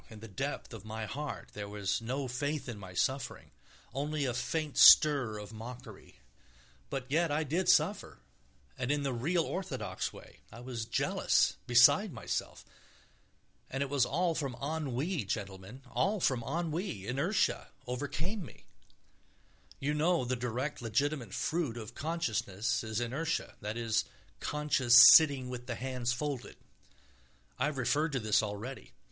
In the depth of my heart there was no faith in my suffering, only a faint stir of mockery, but yet I did suffer, and in the real, orthodox way; I was jealous, beside myself ... and it was all from ennui, gentlemen, all from ennui; inertia overcame me. You know the direct, legitimate fruit of consciousness is inertia, that is, conscious sitting with the hands folded. I have referred to this already.